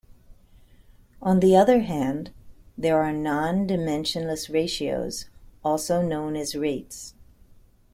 On the other hand, there are non-dimensionless ratios, also known as rates.